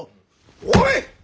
おい！